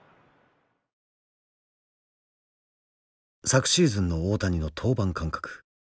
昨シーズンの大谷の登板間隔。